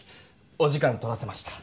お時間取らせました。